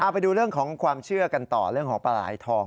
ไปดูเรื่องของความเชื่อกันต่อเรื่องของปลาไหลทอง